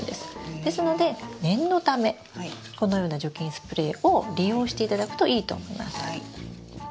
ですので念のためこのような除菌スプレーを利用していただくといいと思います。